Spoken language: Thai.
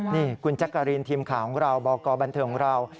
นี่คุณจักรีนทีมข่าวของเราบ่ากรบันเทอร์ของเรา